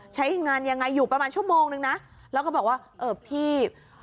ใช้งานยังไงอยู่ประมาณชั่วโมงนึงนะแล้วก็บอกว่าเออพี่